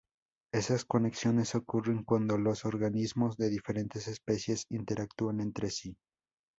Esas conexiones ocurren cuando los organismos de diferentes especies interactúan entre sí.